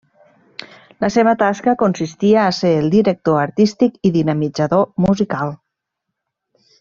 La seva tasca consistia a ser el director artístic i dinamitzador musical.